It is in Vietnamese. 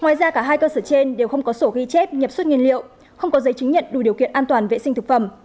ngoài ra cả hai cơ sở trên đều không có sổ ghi chép nhập xuất nhiên liệu không có giấy chứng nhận đủ điều kiện an toàn vệ sinh thực phẩm